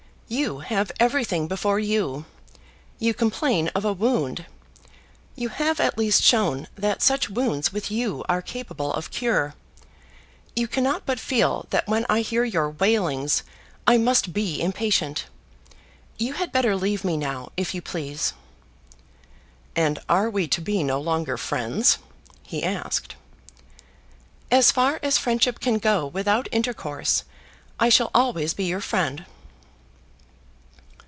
You have everything before you. You complain of a wound! You have at least shown that such wounds with you are capable of cure. You cannot but feel that when I hear your wailings, I must be impatient. You had better leave me now, if you please." "And are we to be no longer friends?" he asked. "As far as friendship can go without intercourse, I shall always be your friend."